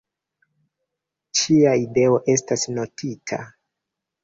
Ĉia ideo estas notita.